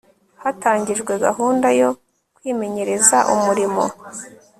hatangijwe gahunda yo kwimenyereza umurimo